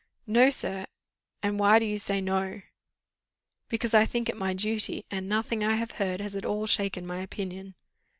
"No, sir! and why do you say no?" "Because I think it my duty, and nothing I have heard has at all shaken my opinion."